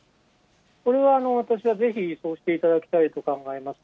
それは私はぜひ、そうしていただきたいと考えます。